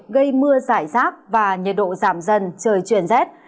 gây mưa giải rác và nhiệt độ giảm dần trời chuyển rét